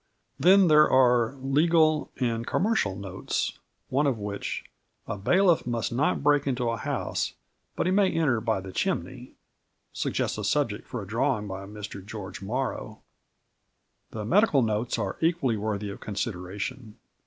Then there are "Legal and Commercial Notes," one of which "A bailiff must not break into a house, but he may enter by the chimney " suggests a subject for a drawing by Mr George Morrow. The medical notes are equally worthy of consideration.